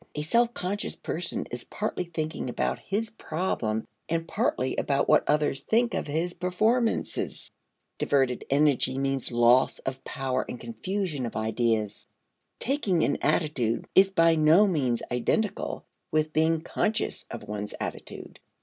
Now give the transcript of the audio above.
A self conscious person is partly thinking about his problem and partly about what others think of his performances. Diverted energy means loss of power and confusion of ideas. Taking an attitude is by no means identical with being conscious of one's attitude.